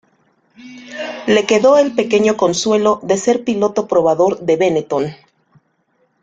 Le quedó el pequeño consuelo de ser piloto probador de Benetton.